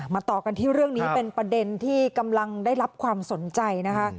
ต่อกันที่เรื่องนี้เป็นประเด็นที่กำลังได้รับความสนใจนะคะ